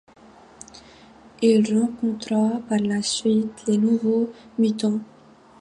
Il rencontra par la suite les Nouveaux Mutants.